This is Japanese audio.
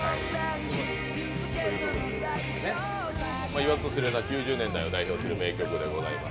言わずと知れた９０年代を代表する名曲でございます。